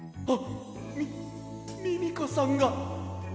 ミミミコさんがちかい！